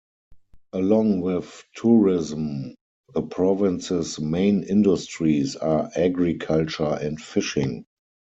Along with tourism, the province's main industries are agriculture and fishing.